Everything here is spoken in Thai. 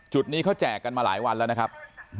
จุดนี้เขาแจกกันมาหลายวันแล้วนะครับ